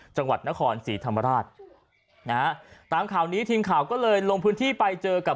จังหวัดนครศรีธรรมราชนะฮะตามข่าวนี้ทีมข่าวก็เลยลงพื้นที่ไปเจอกับ